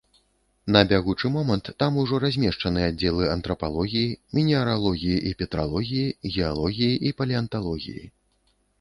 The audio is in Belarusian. На бягучы момант там ужо размешчаны аддзелы антрапалогіі, мінералогіі і петралогіі, геалогіі і палеанталогіі.